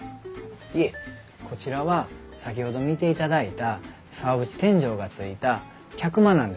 いえこちらは先ほど見ていただいた竿縁天井がついた客間なんです。